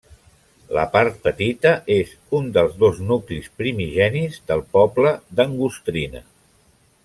La Part Petita és un dels dos nuclis primigenis del poble d'Angostrina.